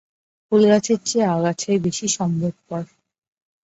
ফুলগাছের চেয়ে আগাছাই বেশি সম্ভবপর।